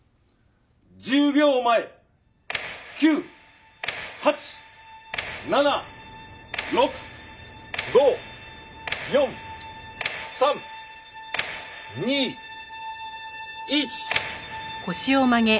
１０秒前９８７６５４３２１。